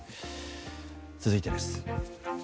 続いてです。